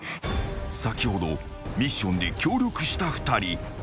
［先ほどミッションで協力した２人］